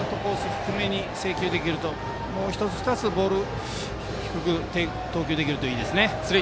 低めに制球できるともう１つ、２つボール低く投球できるといいですね。